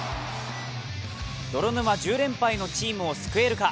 泥沼１０連敗のチームを救えるか。